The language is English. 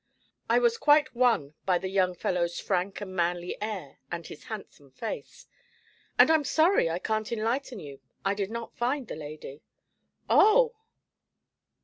I was quite won by the young fellow's frank and manly air and his handsome face; 'and I'm sorry I can't enlighten you. I did not find the lady.' 'Oh!'